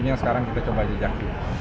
ini yang sekarang kita coba jejakin